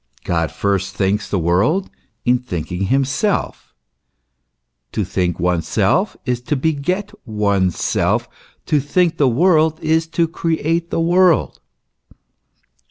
God first thinks the world in thinking himself: to think oneself is to beget oneself, to think the world is to create the world.